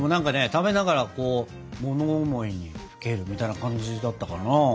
食べながらこう物思いにふけるみたいな感じだったかな。